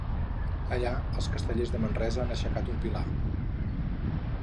Allà els castellers de Manresa han aixecat un pilar.